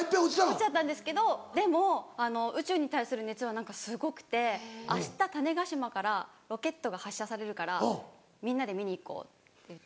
落ちちゃったんですけどでも宇宙に対する熱は何かすごくて「あした種子島からロケットが発射されるからみんなで見に行こう」って言って。